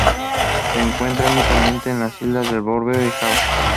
Se encuentra únicamente en las islas de Borneo y Java.